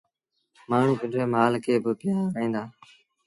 مآڻهوٚٚݩ پنڊري مآل کي با پيٚآريندآ